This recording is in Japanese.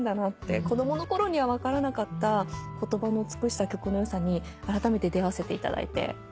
子供の頃には分からなかった言葉の美しさ曲の良さにあらためて出合わせていただいて感謝しております。